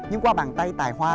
nhưng qua bàn tay tài hoa